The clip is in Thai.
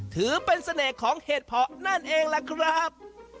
ถือเป็นเสน่ห์ของเห็ดเพาะนั่นเองล่ะครับ